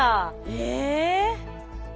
え。